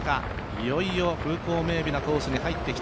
いよいよ風光明媚なコースに入ってきた。